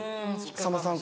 さんまさん